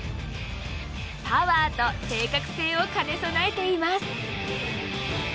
パワーと正確性を兼ね備えています。